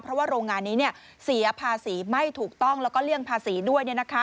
เพราะว่าโรงงานนี้เสียภาษีไม่ถูกต้องแล้วก็เลี่ยงภาษีด้วย